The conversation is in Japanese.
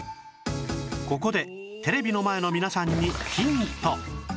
ここでテレビの前の皆さんにヒント